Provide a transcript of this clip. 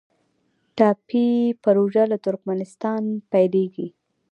ټاپي پروژه له ترکمنستان پیلیږي